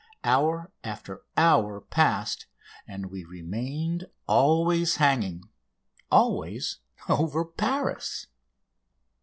Hour after hour passed, and we remained always hanging, always over Paris!